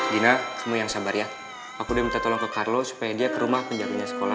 dina mau yang sabar ya aku diminta tolong ke karlo supaya dia ke rumah penjaga sekolah